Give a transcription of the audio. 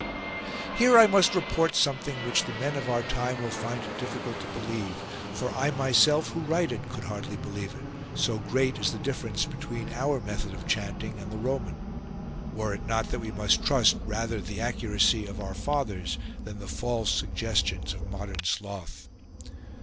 Here I must report something which the men of our time will find it difficult to believe ; for I myself who write it could hardly believe it, so great is the difference between our method of chanting and the Roman, were it not that we must trust rather the accuracy of our fathers than the false suggestions of modern sloth.